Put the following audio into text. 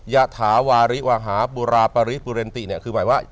ยัฐาวาหะปุราปริปุเรนติคือหมายว่า